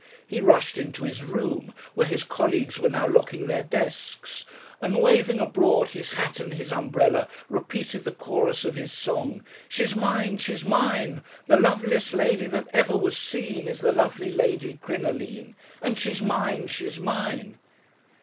He rushed into his room, where his colleagues were now locking their desks, and waving abroad his hat and his umbrella, repeated the chorus of his song. 'She's mine, she's mine The loveliest lady that ever was seen Is the lovely Lady Crinoline; and she's mine, she's mine!'